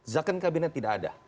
zaken kabinet tidak ada